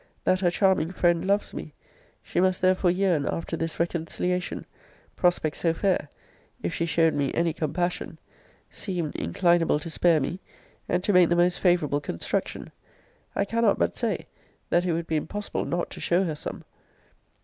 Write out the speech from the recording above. that her charming friend loves me: she must therefore yearn after this reconciliation prospects so fair if she showed me any compassion; seemed inclinable to spare me, and to make the most favourable construction: I cannot but say, that it would be impossible not to show her some.